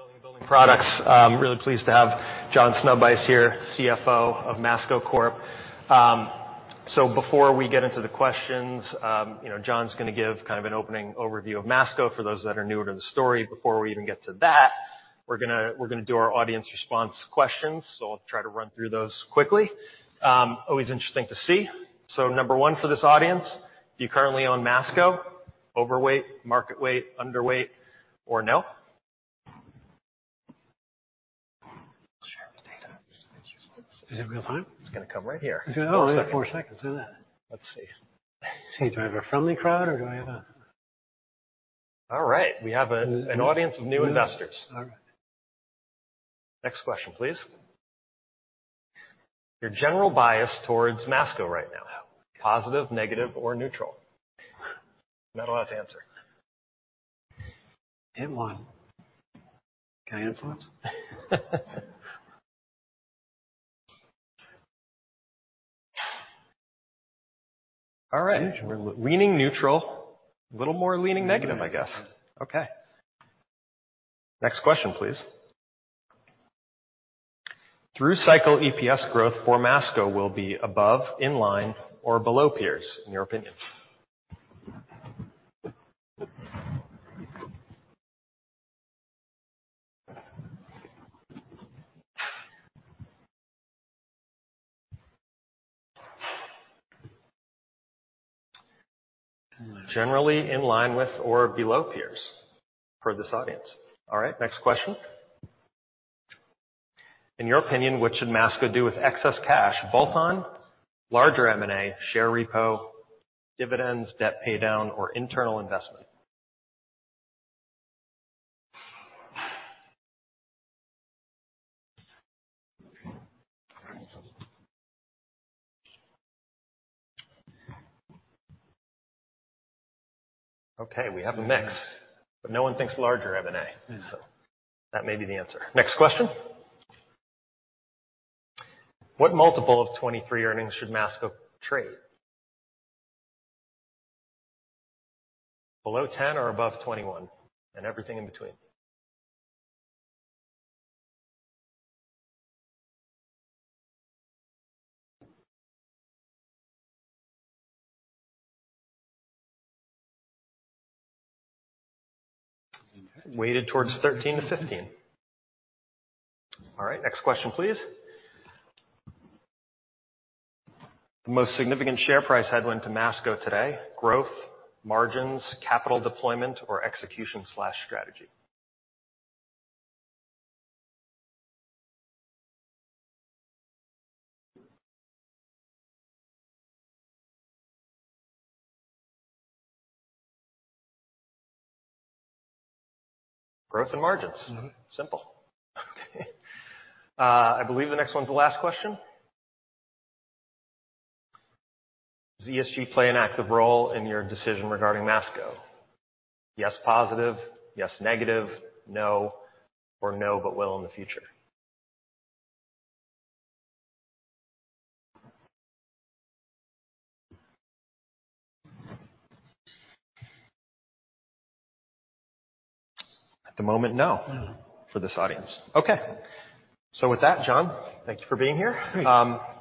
Home building and building products. Really pleased to have John Sznewajs here, CFO of Masco Corporation. Before we get into the questions, you know, John's gonna give kind of an opening overview of Masco for those that are newer to the story. Before we even get to that, we're gonna do our audience response questions, so I'll try to run through those quickly. Always interesting to see. Number 1 for this audience, do you currently own Masco? Overweight, market weight, underweight, or no? Share the data. Is it real-time? It's gonna come right here. Oh, four seconds. Look at that. Let's see. See, do I have a friendly crowd? All right, we have an audience of new investors. All right. Next question, please. Your general bias towards Masco right now, positive, negative, or neutral? Not allowed to answer. Hit one. Can I influence? All right. We're leaning neutral. A little more leaning negative, I guess. Okay. Next question, please. Through cycle EPS growth for Masco will be above, in line, or below peers in your opinion. Generally in line with or below peers for this audience. All right, next question. In your opinion, what should Masco do with excess cash? Bolt-on, larger M&A, share repo, dividends, debt pay down, or internal investment? Okay, we have a mix, but no one thinks larger M&A. That may be the answer. Next question. What multiple of 23 earnings should Masco trade? Below 10 or above 21 and everything in between. Weighted towards 13-15. All right, next question, please. The most significant share price headwind to Masco today, growth, margins, capital deployment, or execution/strategy. Growth and margins. Mm-hmm. Simple. Okay. I believe the next one's the last question. Does ESG play an active role in your decision regarding Masco? Yes, positive? Yes, negative? No? No, but will in the future? At the moment, no- No. For this audience. Okay. With that, John, thank you for being here. Great.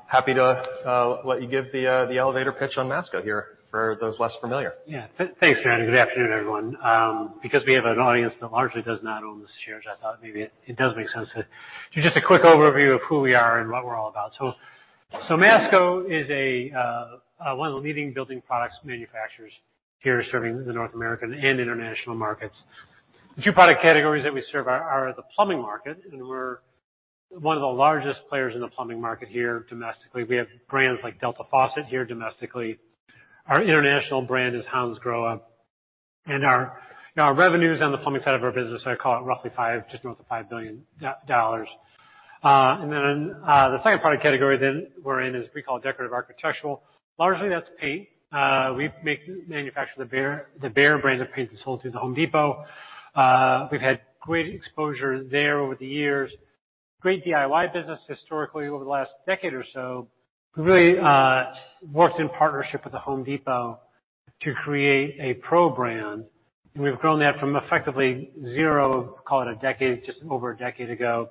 happy to let you give the elevator pitch on Masco here for those less familiar. Yeah. Thanks, Matthew. Good afternoon, everyone. Because we have an audience that largely does not own the shares, I thought maybe it does make sense to do just a quick overview of who we are and what we're all about. Masco is a, one of the leading building products manufacturers here serving the North American and international markets. The two product categories that we serve are the plumbing market, and we're one of the largest players in the plumbing market here domestically. We have brands like Delta Faucet here domestically. Our international brand is Hansgrohe. Our, you know, our revenues on the plumbing side of our business, I call it roughly $5 billion, just north of $5 billion. The second product category then we're in is we call decorative architectural. Largely that's paint. We manufacture the Behr brand of paint that's sold through The Home Depot. We've had great exposure there over the years. Great DIY business historically over the last decade or so. We really worked in partnership with The Home Depot to create a pro brand, and we've grown that from effectively zero, call it a decade, just over a decade ago,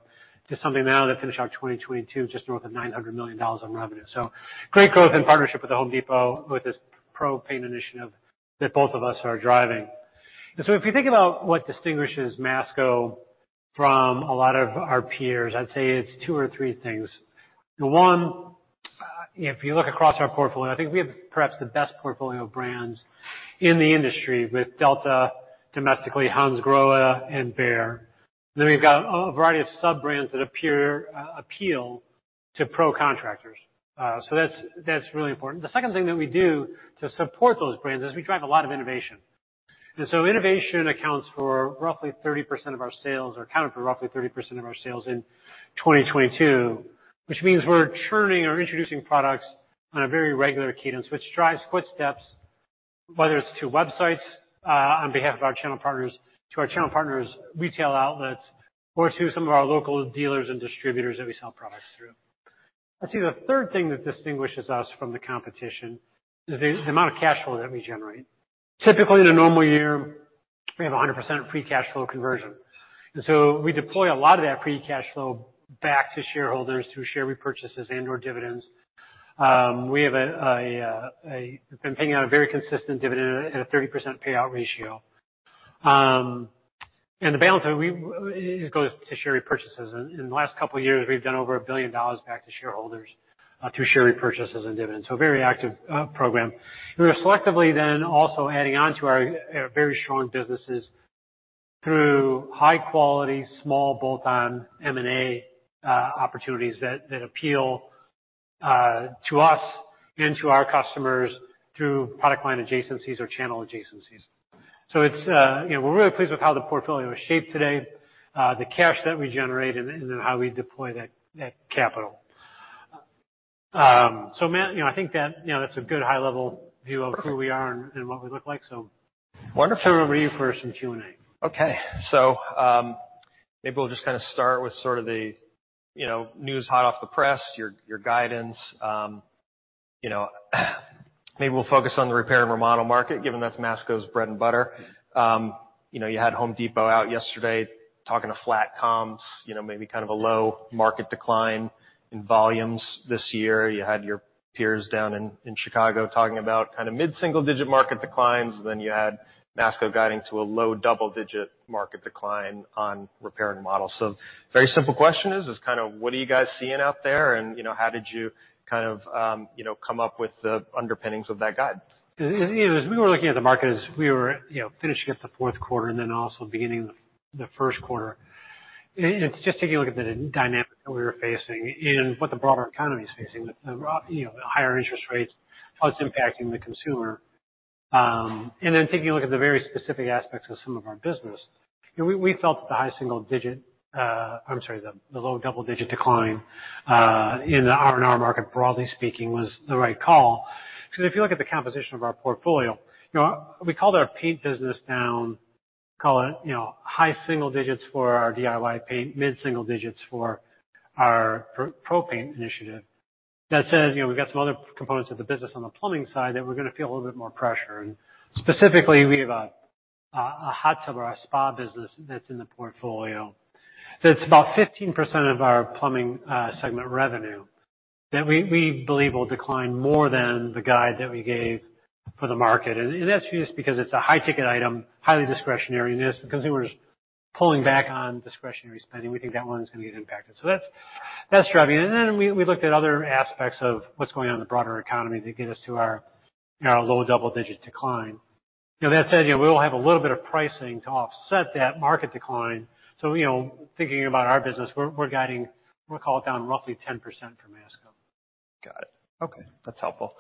to something now that finished out 2022 just north of $900 million on revenue. Great growth in partnership with The Home Depot with this pro paint initiative that both of us are driving. If you think about what distinguishes Masco from a lot of our peers, I'd say it's two or three things. The one, if you look across our portfolio, I think we have perhaps the best portfolio of brands in the industry with Delta domestically, Hansgrohe, and Behr. We've got a variety of sub-brands that appear, appeal to pro contractors. That's really important. The second thing that we do to support those brands is we drive a lot of innovation. Innovation accounts for roughly 30% of our sales or accounted for roughly 30% of our sales in 2022, which means we're churning or introducing products on a very regular cadence, which drives footsteps, whether it's to websites, on behalf of our channel partners, to our channel partners' retail outlets or to some of our local dealers and distributors that we sell products through. I'd say the third thing that distinguishes us from the competition is the amount of cash flow that we generate. Typically, in a normal year, we have a 100% free cash flow conversion. We deploy a lot of that free cash flow back to shareholders through share repurchases and/or dividends. We've been paying out a very consistent dividend at a 30% payout ratio. The balance sheet, it goes to share repurchases. In the last couple of years, we've done over $1 billion back to shareholders through share repurchases and dividends. Very active program. We are selectively then also adding on to our very strong businesses through high quality, small bolt-on M&A opportunities that appeal to us and to our customers through product line adjacencies or channel adjacencies. It's, you know, we're really pleased with how the portfolio is shaped today, the cash that we generate and then how we deploy that capital. Matt, you know, I think that, you know, that's a good high level view of who we are and what we look like. Wonderful. Over to you for some Q&A. Okay. maybe we'll just kinda start with sort of the, you know, news hot off the press, your guidance. you know, maybe we'll focus on the repair and remodel market, given that's Masco's bread and butter. you know, you had The Home Depot out yesterday talking to flat comps, you know, maybe kind of a low market decline in volumes this year. You had your peers down in Chicago talking about kind of mid-single-digit market declines. You had Masco guiding to a low double-digit market decline on repair and remodel. Very simple question is kind of what are you guys seeing out there and, you know, how did you kind of, you know, come up with the underpinnings of that guide? As we were looking at the market as we were, you know, finishing up the fourth quarter and then also beginning the first quarter. It's just taking a look at the dynamic that we were facing and what the broader economy is facing with the, you know, higher interest rates, how it's impacting the consumer. Taking a look at the very specific aspects of some of our business. You know, we felt the high single-digit, I'm sorry, the low double-digit decline in the R&R market, broadly speaking, was the right call. If you look at the composition of our portfolio, you know, we called our paint business down, call it, you know, high single digits for our DIY paint, mid-single digits for our pro paint initiative. That said, you know, we've got some other components of the business on the plumbing side that we're gonna feel a little bit more pressure. Specifically, we have a hot tub or a spa business that's in the portfolio that's about 15% of our plumbing segment revenue that we believe will decline more than the guide that we gave for the market. That's just because it's a high-ticket item, highly discretionary, and as consumers pulling back on discretionary spending, we think that one's gonna get impacted. That's driving. Then we looked at other aspects of what's going on in the broader economy to get us to our low double-digit decline. You know, that said, you know, we will have a little bit of pricing to offset that market decline. you know, thinking about our business, we're guiding, we'll call it down roughly 10% for Masco. Got it. Okay, that's helpful.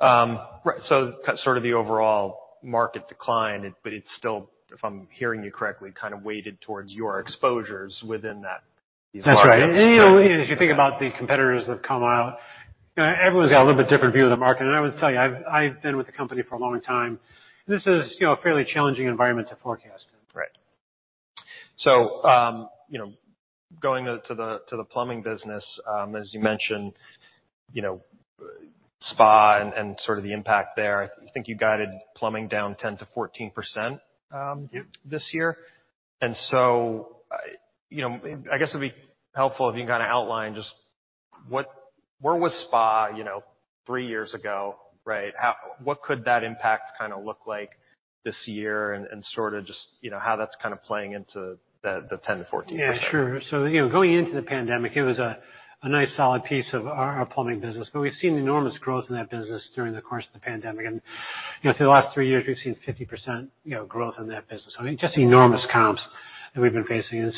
Sort of the overall market decline, but it's still, if I'm hearing you correctly, kind of weighted towards your exposures within that. That's right. You know, if you think about the competitors that have come out, you know, everyone's got a little bit different view of the market. I would tell you, I've been with the company for a long time. This is, you know, a fairly challenging environment to forecast. Right. you know, going to the, to the plumbing business, as you mentioned, you know, spa and sort of the impact there. I think you guided plumbing down 10%-14%- Yep. this year. You know, I guess it'd be helpful if you can kinda outline just where was spa, you know, three years ago, right? What could that impact kinda look like this year and sorta just, you know, how that's kind of playing into the 10%-14%. Yeah, sure. You know, going into the pandemic, it was a nice solid piece of our plumbing business, but we've seen enormous growth in that business during the course of the pandemic. You know, through the last 3 years, we've seen 50%, you know, growth in that business. I mean, just enormous comps that we've been facing. You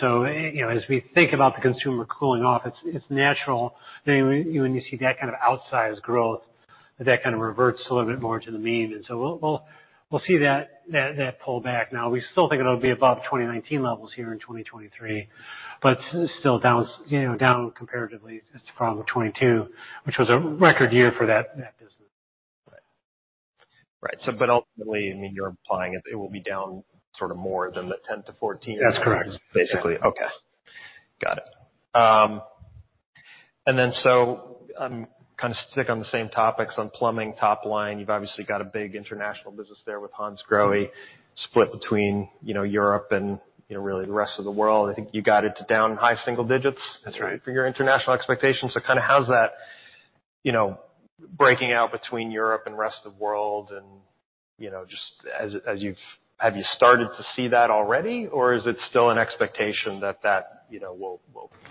know, as we think about the consumer cooling off, it's natural when you see that kind of outsized growth, that kind of reverts a little bit more to the mean. We'll see that pull back. Now, we still think it'll be above 2019 levels here in 2023, but still down, you know, down comparatively from 2022, which was a record year for that business. Right. ultimately, I mean, you're implying it will be down sort of more than the 10%-14%. That's correct. basically. Okay. Got it. I'm kinda stick on the same topics on plumbing top line. You've obviously got a big international business there with Hansgrohe split between, you know, Europe and, you know, really the rest of the world. I think you got it to down high single digits. That's right. For your international expectations. Kinda how's that, you know, breaking out between Europe and rest of the world and, you know, just as have you started to see that already or is it still an expectation that, you know, will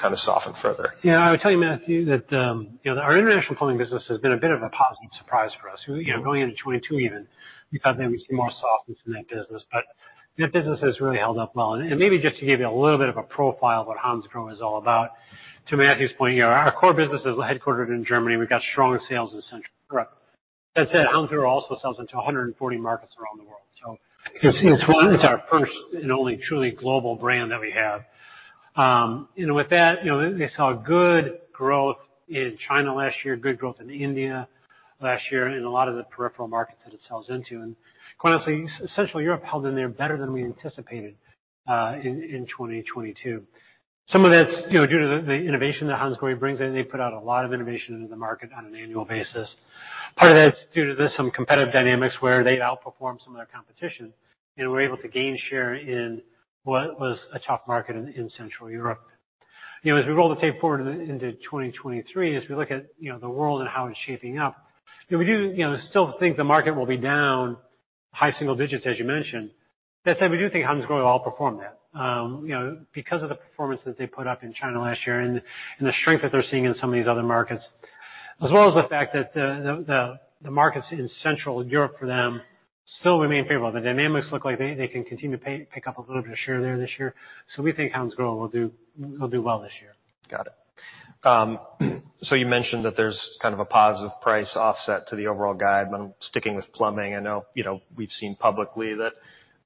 kinda soften further? Yeah, I would tell you, Matthew, that, you know, our international plumbing business has been a bit of a positive surprise for us. You know, going into 2022 even, we thought there would be more softness in that business, that business has really held up well. Maybe just to give you a little bit of a profile of what Hansgrohe is all about. To Matthew's point here, our core business is headquartered in Germany. We've got stronger sales in Central Europe. That said, Hansgrohe also sells into 140 markets around the world. It's one that's our first and only truly global brand that we have. With that, you know, they saw good growth in China last year, good growth in India last year in a lot of the peripheral markets that it sells into. Quite honestly, Central Europe held in there better than we anticipated, in 2022. Some of that's, you know, due to the innovation that Hansgrohe brings in. They put out a lot of innovation into the market on an annual basis. Part of that's due to there's some competitive dynamics where they've outperformed some of their competition and were able to gain share in what was a tough market in Central Europe. You know, as we roll the tape forward into 2023, as we look at, you know, the world and how it's shaping up, you know, we do, you know, still think the market will be down high single digits, as you mentioned. That said, we do think Hansgrohe will outperform that, you know, because of the performance that they put up in China last year and the strength that they're seeing in some of these other markets, as well as the fact that the markets in Central Europe for them still remain favorable. The dynamics look like they can continue to pick up a little bit of share there this year. We think Hansgrohe will do well this year. Got it. You mentioned that there's kind of a positive price offset to the overall guide. I'm sticking with plumbing. I know, you know, we've seen publicly that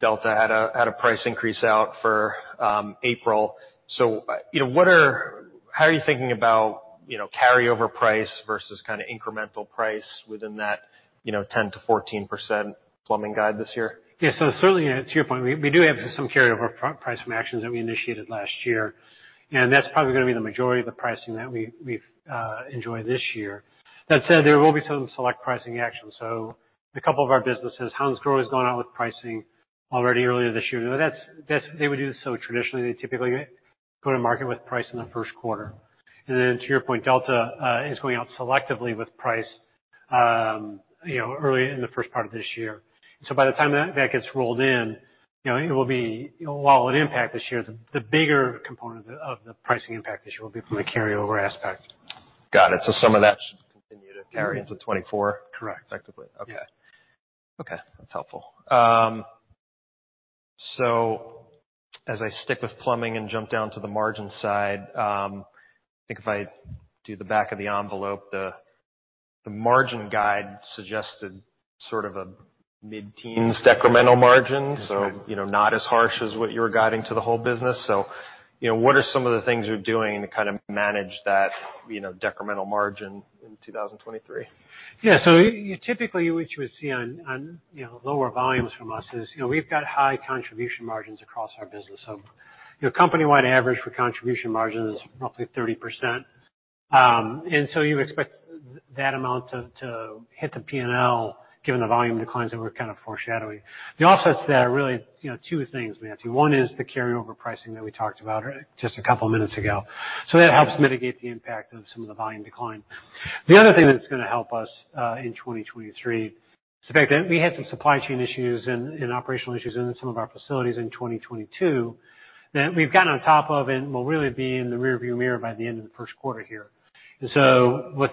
Delta had a price increase out for April. How are you thinking about, you know, carryover price versus kind of incremental price within that, you know, 10%-14% plumbing guide this year? Yeah. Certainly, to your point, we do have some carryover price from actions that we initiated last year, and that's probably gonna be the majority of the pricing that we've enjoyed this year. That said, there will be some select pricing actions. A couple of our businesses, Hansgrohe's gone out with pricing already earlier this year. That's they would do this so traditionally. They typically go to market with price in the first quarter. To your point, Delta is going out selectively with price, you know, early in the first part of this year. By the time that that gets rolled in, you know, it will be. While it'll impact this year, the bigger component of the pricing impact this year will be from the carryover aspect. Got it. some of that should continue to carry into 2024. Correct. effectively. Okay. Yeah. Okay, that's helpful. As I stick with plumbing and jump down to the margin side, I think if I do the back of the envelope, the margin guide suggested sort of a mid-teens decremental margin. You know, not as harsh as what you're guiding to the whole business. You know, what are some of the things you're doing to kind of manage that, you know, decremental margin in 2023? You typically, what you would see on, you know, lower volumes from us is, you know, we've got high contribution margins across our business. Your company-wide average for contribution margin is roughly 30%. You expect that amount to hit the P&L, given the volume declines that we're kind of foreshadowing. The offsets there are really, you know, two things, Matthew. One is the carryover pricing that we talked about just a couple of minutes ago. That helps mitigate the impact of some of the volume decline. The other thing that's gonna help us in 2023 is the fact that we had some supply chain issues and operational issues in some of our facilities in 2022 that we've gotten on top of and will really be in the rearview mirror by the end of the first quarter here. With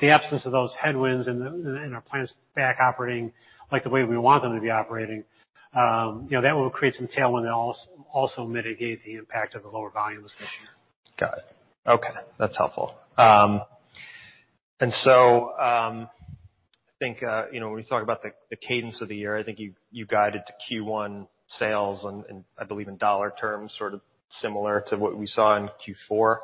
the absence of those headwinds and our plants back operating like the way we want them to be operating, you know, that will create some tailwind and also mitigate the impact of the lower volumes this year. Got it. Okay. That's helpful. I think, you know, when you talk about the cadence of the year, I think you guided to Q1 sales and I believe in dollar terms sort of similar to what we saw in Q4.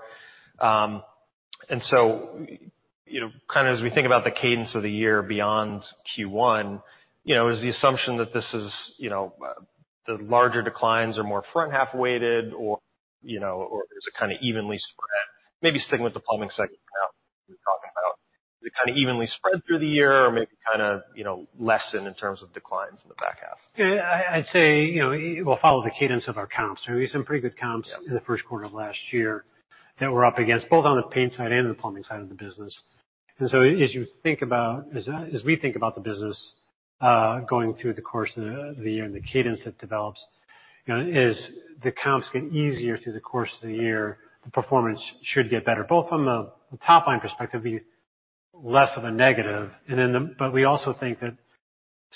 You know, kinda as we think about the cadence of the year beyond Q1, you know, is the assumption that this is, you know, the larger declines are more front half weighted or, you know, or is it kinda evenly spread? Maybe sticking with the plumbing segment for now we've been talking about. Is it kinda evenly spread through the year or maybe kinda, you know, lessen in terms of declines in the back half? Yeah, I'd say, you know, it will follow the cadence of our comps. There'll be some pretty good comps. Yeah. in the first quarter of last year that we're up against, both on the paint side and the plumbing side of the business. as you think about, as we think about the business going through the course of the year and the cadence that develops, you know, as the comps get easier through the course of the year, the performance should get better, both from a top-line perspective, be less of a negative. we also think that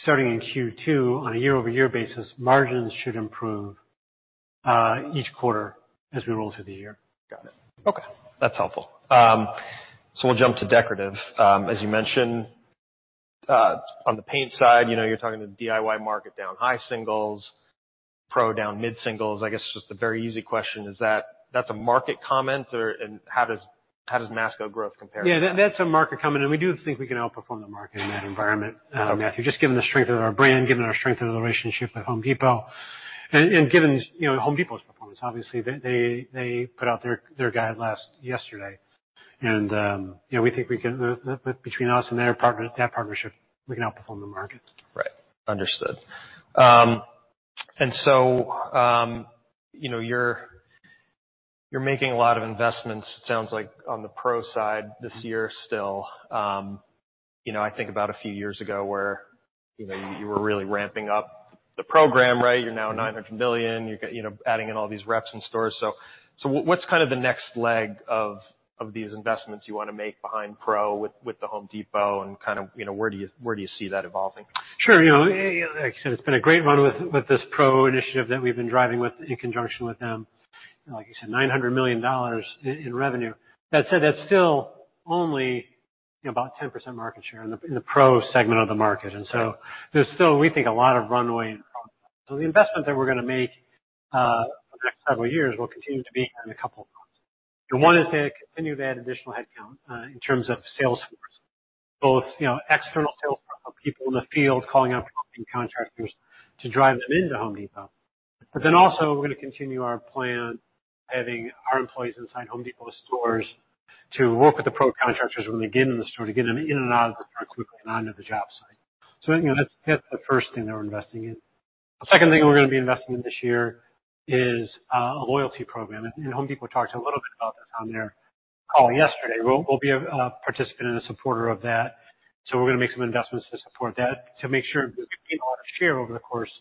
starting in Q2, on a year-over-year basis, margins should improve each quarter as we roll through the year. Got it. Okay. That's helpful. We'll jump to Decorative. As you mentioned, on the paint side, you know, you're talking the DIY market down high singles, pro down mid-singles. I guess just a very easy question, is that a market comment, or how does Masco growth compare to that? Yeah, that's a market comment, and we do think we can outperform the market in that environment. Okay. Matthew, just given the strength of our brand, given our strength of the relationship with Home Depot and given, you know, Home Depot's performance. Obviously, they put out their guide last yesterday and, you know, we think we can. Between us and that partnership, we can outperform the market. Right. Understood. You know, you're making a lot of investments, it sounds like, on the pro side this year still. You know, I think about a few years ago where, you know, you were really ramping up the program, right? You're now $900 million. You're you know, adding in all these reps and stores. What's kind of the next leg of these investments you wanna make behind Pro with The Home Depot and kind of, you know, where do you see that evolving? Sure. You know, like I said, it's been a great run with this Pro initiative that we've been driving with in conjunction with them. Like you said, $900 million in revenue. That said, that's still only about 10% market share in the, in the Pro segment of the market. There's still, we think, a lot of runway in Pro. The investment that we're gonna make over the next several years will continue to be in a couple of products. The one is to continue to add additional headcount in terms of sales force, both, you know, external sales force, so people in the field calling up contractors to drive them into Home Depot. Also we're gonna continue our plan, having our employees inside The Home Depot stores to work with the pro contractors when they get in the store to get them in and out of the store quickly and onto the job site. You know, that's the first thing that we're investing in. The second thing we're gonna be investing in this year is a loyalty program. You know, The Home Depot talked a little bit about this on their call yesterday. We'll be a participant and a supporter of that, so we're gonna make some investments to support that, to make sure we've gained a lot of share over the course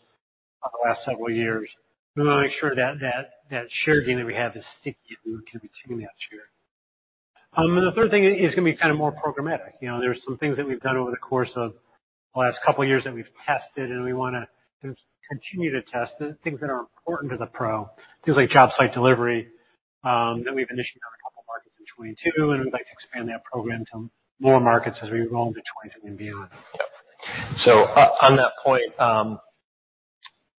of the last several years. We wanna make sure that share gain that we have is sticky, and we continue that share. The third thing is gonna be kind of more programmatic. You know, there are some things that we've done over the course of the last couple of years that we've tested, and we wanna just continue to test the things that are important to the pro, things like job site delivery, that we've initially done a couple of markets in 2022, and we'd like to expand that program to more markets as we roll into 2023 and beyond. On that point,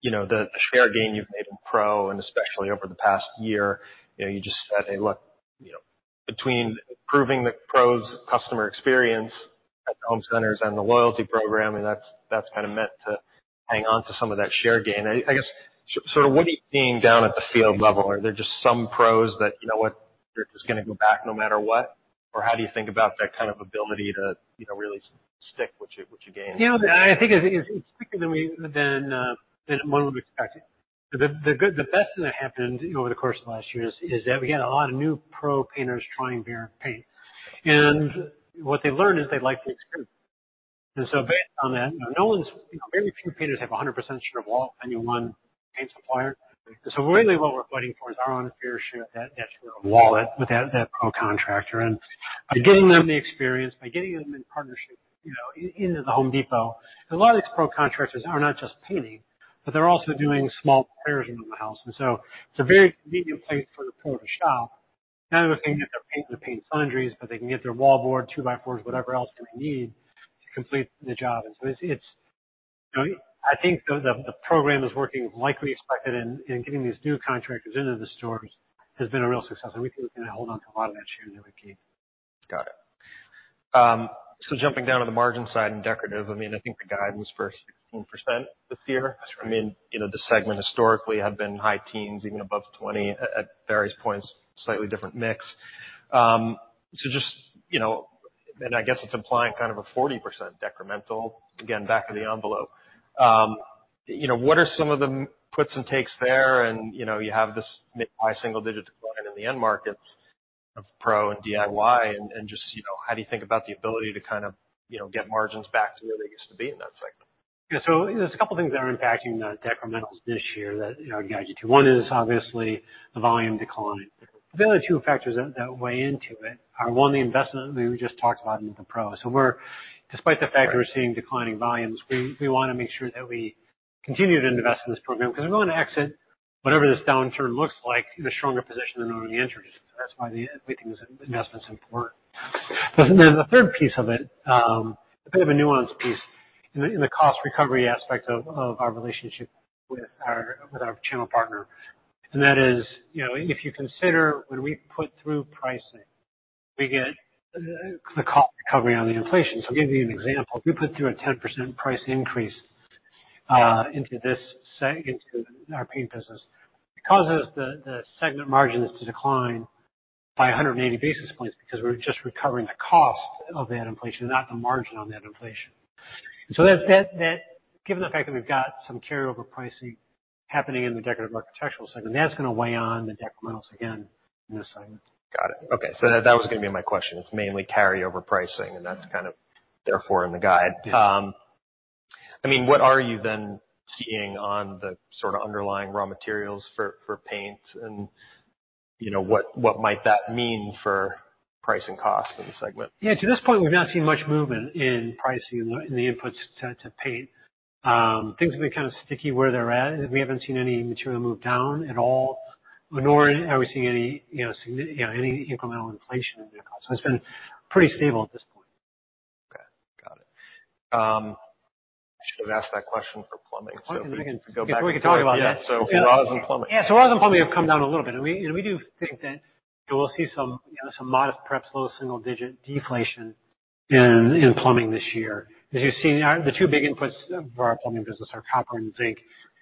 you know, the share gain you've made with pro and especially over the past year, you know, you just said, hey, look, you know, between improving the pros customer experience at the home centers and the loyalty program, I mean, that's kinda meant to hang on to some of that share gain. I guess, sort of what are you seeing down at the field level? Are there just some pros that, you know what, they're just gonna go back no matter what? How do you think about that kind of ability to, you know, really stick what you, what you gain? You know, I think it's quicker than we than what we've expected. The best thing that happened over the course of last year is that we had a lot of new pro painters trying Behr paint. What they learned is they like the experience. Based on that, you know, very few painters have 100% share of wall annual one paint supplier. Really what we're fighting for is our own share of that share of wallet with that pro contractor. By getting them the experience, by getting them in partnership, you know, into The Home Depot. A lot of these pro contractors are not just painting, but they're also doing small repairs in the house. It's a very convenient place for the pro to shop. Not only can they get their paint and the paint sundries, but they can get their wallboard 2x4s, whatever else they need to complete the job. It's, you know, I think the program is working like we expected in getting these new contractors into the stores has been a real success, and we think we can hold on to a lot of that share that we gained. Got it. Jumping down to the margin side in Decorative, I mean, I think the guide was for 16% this year. That's right. I mean, you know, the segment historically have been high teens, even above 20 at various points, slightly different mix. Just, you know, I guess it's implying kind of a 40% decremental, again, back of the envelope. You know, what are some of the puts and takes there? You know, you have this mid-high single-digit decline in the end markets of pro and DIY, and just, you know, how do you think about the ability to kind of, you know, get margins back to where they used to be in that segment? Yeah. There's a couple things that are impacting the decrementals this year that, you know, guide you to. One is obviously the volume decline. The other two factors that weigh into it are, one, the investment we just talked about into the pro. Despite the fact we're seeing declining volumes, we wanna make sure that we continue to invest in this program 'cause we want to exit whatever this downturn looks like in a stronger position than when we entered it. That's why we think this investment's important. The third piece of it, a bit of a nuanced piece in the cost recovery aspect of our relationship with our channel partner. That is, you know, if you consider when we put through pricing, we get the cost recovery on the inflation. I'll give you an example. If we put through a 10% price increase into our paint business, it causes the segment margins to decline by 180 basis points because we're just recovering the cost of that inflation, not the margin on that inflation. Given the fact that we've got some carryover pricing happening in the Decorative Architectural segment, that's gonna weigh on the decrementals again in this segment. Got it. Okay. That was gonna be my question. It's mainly carryover pricing, and that's kind of therefore in the guide. Yeah. I mean, what are you then seeing on the sort of underlying raw materials for paint and, you know, what might that mean for price and cost in the segment? Yeah. To this point, we've not seen much movement in pricing in the, in the inputs to paint. Things have been kind of sticky where they're at. We haven't seen any material move down at all, nor are we seeing any, you know, any incremental inflation in vehicles. It's been pretty stable at this point. Okay. Got it. I should have asked that question for plumbing. We can talk about that. Yeah. For brass and plumbing. Yeah. Brass and plumbing have come down a little bit. We do think that we'll see some, you know, some modest, perhaps low single digit deflation in plumbing this year. As you've seen, the two big inputs for our plumbing business are copper and zinc.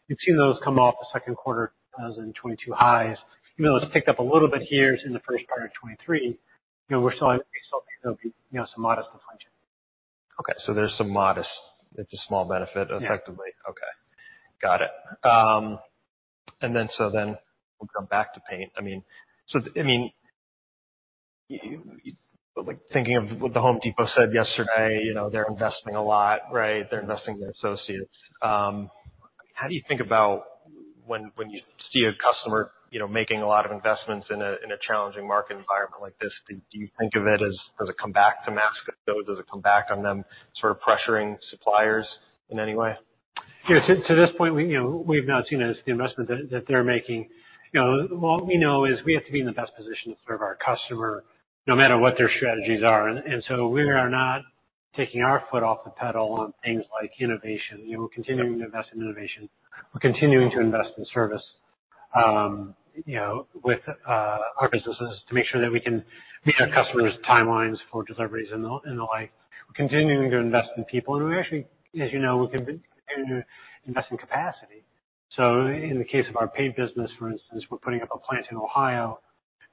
We've seen those come off the second quarter in 2022 highs, even though it's ticked up a little bit here in the first part of 2023. You know, we still think there'll be, you know, some modest deflation. Okay. There's some modest. It's a small benefit. Yeah. effectively. Okay. Got it. We'll come back to paint. I mean, like thinking of what The Home Depot said yesterday, you know, they're investing a lot, right? They're investing in associates. How do you think about when you see a customer, you know, making a lot of investments in a, in a challenging market environment like this, do you think of it as, does it come back to Masco? Does it come back on them sort of pressuring suppliers in any way? You know, to this point, we've not seen as the investment that they're making. You know, what we know is we have to be in the best position to serve our customer no matter what their strategies are. We are taking our foot off the pedal on things like innovation. You know, we're continuing to invest in innovation. We're continuing to invest in service, you know, with our businesses to make sure that we can meet our customers' timelines for deliveries and the like. We're continuing to invest in people. We actually, as you know, we continue to invest in capacity. In the case of our paint business, for instance, we're putting up a plant in Ohio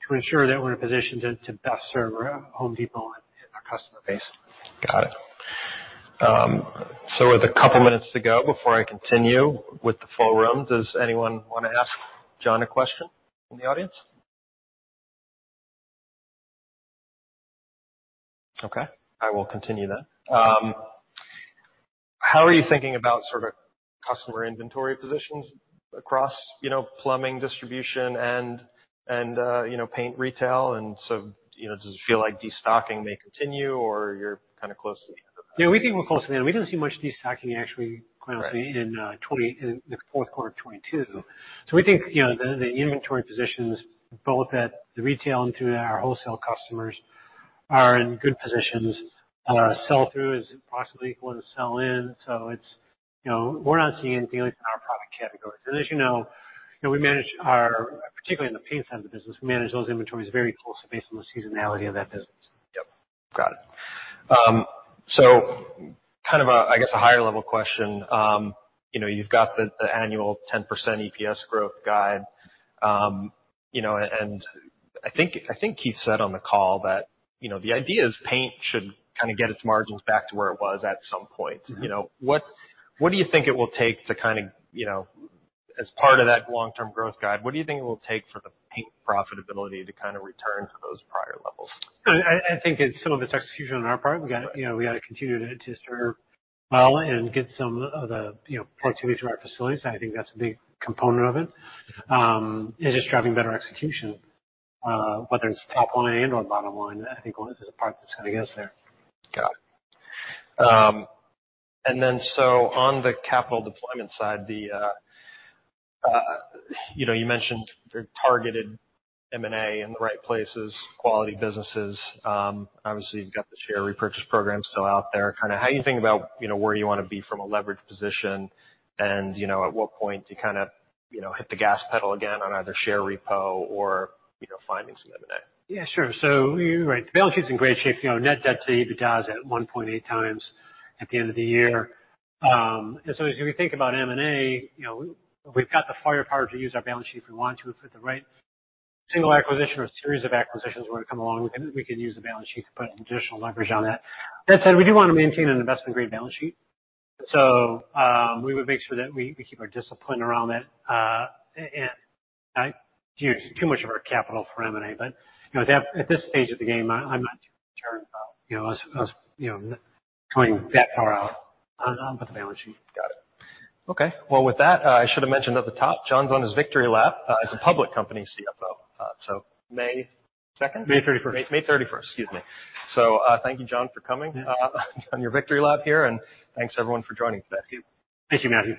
to ensure that we're in a position to best serve our The Home Depot and our customer base. Got it. With a couple minutes to go before I continue with the full room, does anyone wanna ask John a question in the audience? Okay, I will continue then. How are you thinking about sort of customer inventory positions across, you know, plumbing, distribution and, you know, paint retail and so, you know, does it feel like destocking may continue or you're kinda close to the end of that? Yeah, we think we're close to the end. We didn't see much destocking actually, quite honestly. Right. In the fourth quarter of 2022. We think, you know, the inventory positions both at the retail and to our wholesale customers are in good positions. Sell through is approximately equal to sell in, so it's, you know, we're not seeing anything in our product categories. As you know, we manage our, particularly in the paint side of the business, we manage those inventories very closely based on the seasonality of that business. Yep. Got it. Kind of a higher level question. You know, you've got the annual 10% EPS growth guide. You know, I think Keith said on the call that, you know, the idea is paint should kinda get its margins back to where it was at some point. Mm-hmm. You know, what do you think it will take to kinda, you know, as part of that long-term growth guide, what do you think it will take for the paint profitability to kinda return to those prior levels? I think it's some of it's execution on our part. We gotta, you know, we gotta continue to serve well and get some of the, you know, productivity to our facilities. I think that's a big component of it. Just driving better execution, whether it's top line and/or bottom line, I think all of it is a part that's gonna get us there. Got it. On the capital deployment side, you know, you mentioned the targeted M&A in the right places, quality businesses. Obviously you've got the share repurchase program still out there. Kinda how are you thinking about, you know, where you wanna be from a leverage position and, you know, at what point to kinda, you know, hit the gas pedal again on either share repo or, you know, finding some M&A? Yeah, sure. You're right. The balance sheet's in great shape. You know, net debt-to-EBITDA is at 1.8 times at the end of the year. As we think about M&A, you know, we've got the firepower to use our balance sheet if we want to. If we have the right single acquisition or series of acquisitions were to come along, we can use the balance sheet to put additional leverage on that. That said, we do wanna maintain an investment-grade balance sheet. We would make sure that we keep our discipline around that. I use too much of our capital for M&A, but, you know, at this stage of the game, I'm not too concerned about, you know, us, you know, going that far out with the balance sheet. Got it. Okay. Well, with that, I should have mentioned at the top, John's on his victory lap, as a public company CFO. May second? May thirty-first. May 31st. Excuse me. Thank you, John, for coming on your victory lap here, and thanks everyone for joining today. Thank you. Thank you, Matthew.